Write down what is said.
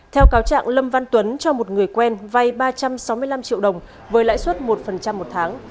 theo cáo trạng lâm văn tuấn cho một người quen vay ba trăm sáu mươi năm triệu đồng với lãi suất một một tháng